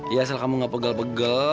iya sel kamu gak pegel pegel